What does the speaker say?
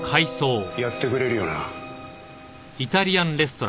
やってくれるよな？